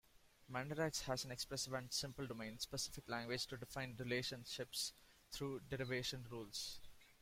Mandarax has an expressive and simple domain-specific language to define relationships through derivation rules.